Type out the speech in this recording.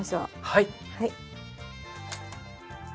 はい。